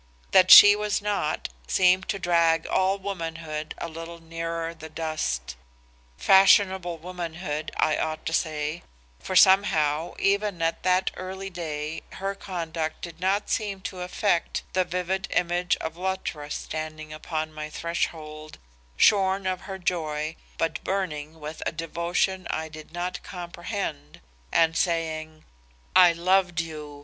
That she was not, seemed to drag all womanhood a little nearer the dust; fashionable womanhood I ought to say, for somehow even at that early day her conduct did not seem to affect the vivid image of Luttra standing upon my threshold, shorn of her joy but burning with a devotion I did not comprehend, and saying, "'I loved you.